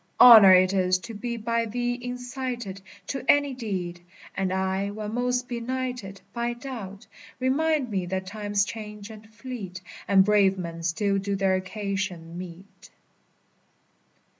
Honor it is to be by thee incited To any deed; and I, when most benighted By doubt, remind me that times change and fleet, And brave men still do their occasion meet.